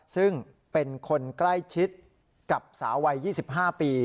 ซึ่งเป็นคนใกล้ชิดกับสาววัย๒๕ปี